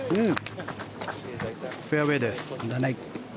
フェアウェーです。